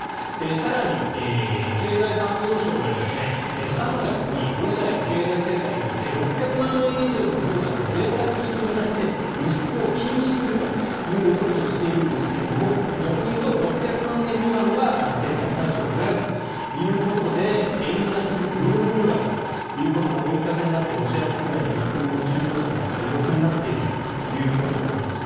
更に経済産業省が３月にロシアへの経済制裁として６００万円以上の自動車はぜいたく品と見なして輸出を禁止するという措置をしているんですが逆に言うと６００万円未満は制裁の対象外ということで円安・ルーブル高ということも追い風になってロシア国内で日本の中古車が買い時になっているんだそうです。